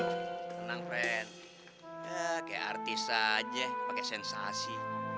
tenang fred kayak artis aja pakai sensasi